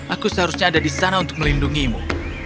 aku seharusnya ada di sana untuk melindungimu